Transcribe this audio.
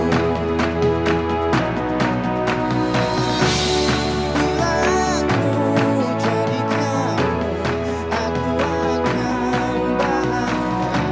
bila aku jadi kamu aku akan bahagia